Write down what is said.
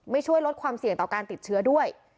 ช่วยลดความเสี่ยงต่อการติดเชื้อด้วย